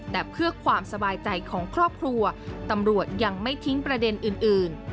แต่เพื่อความสบายใจของครอบครัวตำรวจยังไม่ทิ้งประเด็นอื่น